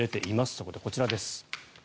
そこでこちらです。